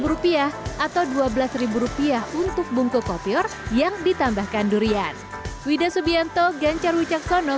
sepuluh rupiah atau dua belas rupiah untuk bongkokopior yang ditambahkan durian widasubianto gencar wicaksono